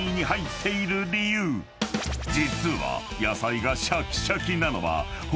［実は］